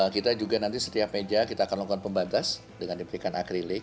kita juga nanti setiap meja kita akan lakukan pembatas dengan diberikan akrilik